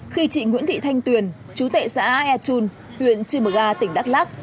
khi chị nguyễn thị thanh tuyền chú tệ xã echun huyện chư mơ ga tỉnh đắk lắc